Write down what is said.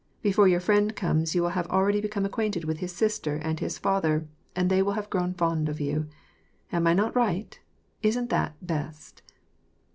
Before your friend comes you will have already become acquainted with his sister and his father, and they will have grown fond of you. Am I not right ? Isn't that best